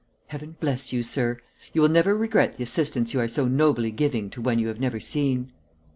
Heaven bless you, sir. You will never regret the assistance you are so nobly giving to one you have never seen."